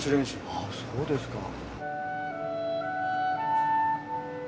ああそうですか。